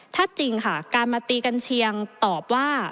ถ้าจริงค่ะการมาตีกันเชียงตอบว่า